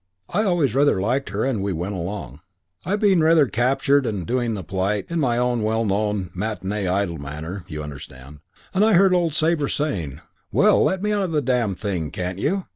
I always rather liked her. And we went along, I being rather captured and doing the polite in my well known matinée idol manner, you understand; and I heard old Sabre saying, 'Well, let me out of the damned thing, can't you?